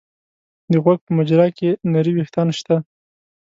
د غوږ په مجرا کې نري وېښتان شته.